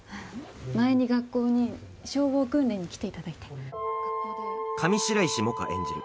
前に学校に消防訓練に来ていただいて上白石萌歌演じる